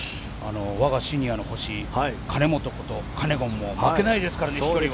我がシニアの星兼本ことカネゴンも負けないですからね。